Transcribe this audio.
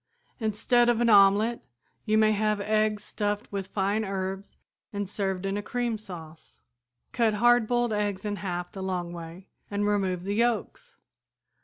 "Instead of an omelette you may have eggs stuffed with fine herbs and served in cream sauce. Cut hard boiled eggs in half the long way and remove the yolks.